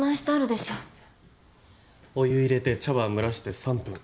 お湯入れて、茶葉蒸らして３分。